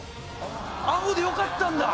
青でよかったんだ！